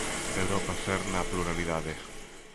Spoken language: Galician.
'Europa cerna a pluralidade'.